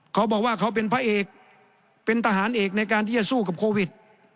เขาบอกว่าเขาเป็นพระเอกเป็นทหารเอกในการที่จะสู้กับโควิด